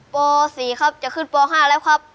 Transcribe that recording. ป๔ครับจะขึ้นป๕แล้วครับ